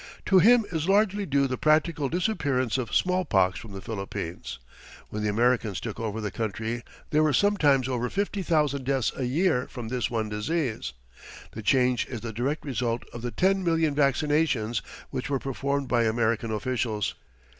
To him is largely due the practical disappearance of smallpox from the Philippines. When the Americans took over the country there were sometimes over fifty thousand deaths a year from this one disease. The change is the direct result of the ten million vaccinations which were performed by American officials.